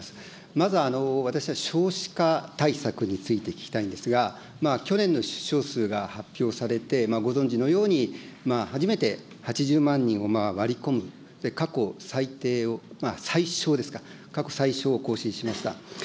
まず、私は少子化対策について聞きたいんですが、去年の出生数が発表されて、ご存じのように、初めて８０万人を割り込む、過去最低を、最少ですか、過去最少を更新しました。